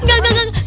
engga engga engga